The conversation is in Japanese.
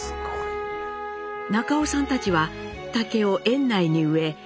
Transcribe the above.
中尾さんたちは竹を園内に植え